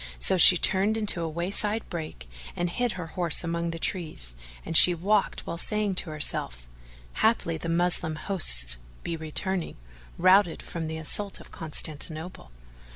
So she turned into a wayside brake and hid her horse among the trees and she walked a while saying to herself, "Haply the Moslem hosts be returning, routed, from the assault of Constantinople."